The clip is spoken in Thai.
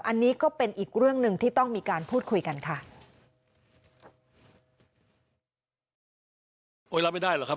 อันนี้ก็เป็นอีกเรื่องหนึ่งที่ต้องมีการพูดคุยกันค่ะ